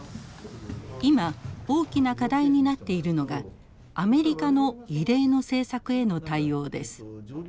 今大きな課題になっているのがアメリカの異例の政策への対応です。